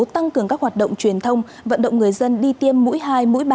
tăng cường các hoạt động truyền thông vận động người dân đi tiêm mũi hai mũi ba